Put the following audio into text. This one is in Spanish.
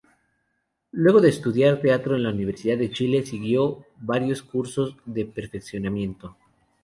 Luego de estudiar Teatro en la Universidad de Chile, siguió varios cursos de perfeccionamiento.